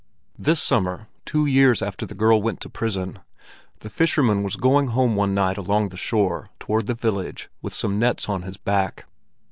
This summer, two years after the girl went to prison, the fisherman was going home one night along the shore toward the village with some nets on his back.